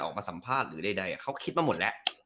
ออกมาสัมภาษณ์หรือใดเขาคิดมาหมดแล้ว